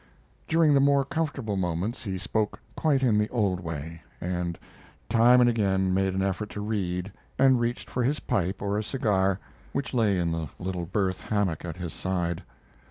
During the more comfortable moments he spoke quite in the old way, and time and again made an effort to read, and reached for his pipe or a cigar which lay in the little berth hammock at his side.